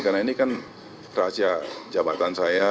karena ini kan rahasia jabatan saya